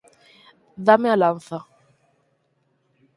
Dáme a lanza.